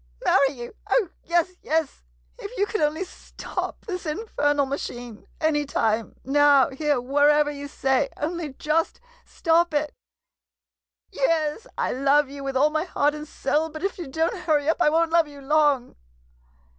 ] Marry you — oh, yes, yes — if you could only stop this infernal machine. Any time — now — here — wherever you say — only just stop it. Yes, I love you, with all my heart and soul — but if you don't hurry up, I won't love you long!